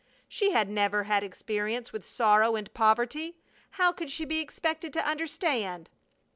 She had never had experience with sorrow and poverty. How could she be expected to understand?